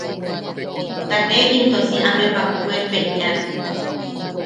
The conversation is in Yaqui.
Ta ne into si amemak weepeʼean.